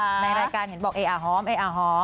ในรายการเห็นบอกเอ๋อหอมเอ๋อหอม